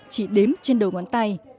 chỉ đếm trên đường